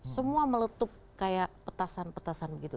semua meletup kayak petasan petasan gitu